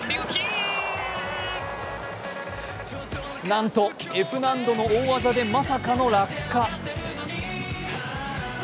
なんと、Ｆ難度の大技でまさかの落下。